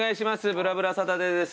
『ぶらぶらサタデー』です。